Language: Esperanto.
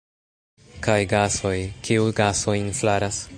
Kaj gasoj – kiu gasojn flaras?